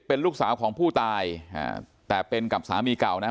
เป็นลูกสาวของผู้ตายแต่เป็นกับสามีเก่านะ